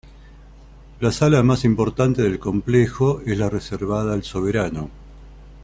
La sala más importante del complejo es la reservada al soberano.